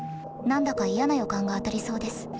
何だか嫌な予感が当たりそうです。